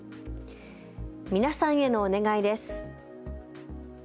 皆さんへのお願いです。